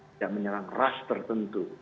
tidak menyerang ras tertentu